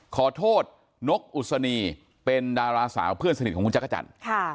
ขอโทษนกอุศนีเป็นดาราสาวเพื่อนสนิทของคุณจักรจันทร์